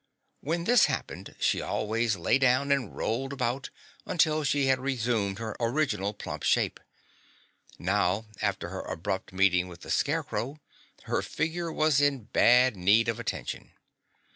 When this happened she always lay down and rolled about until she had resumed her original plump shape. Now after her abrupt meeting with the Scarecrow her figure was in bad need of attention.